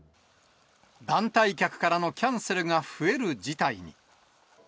団体客からのキャンセルが増える事態に。